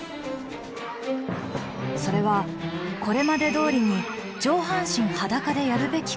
それはこれまでどおりに上半身裸でやるべきかどうか。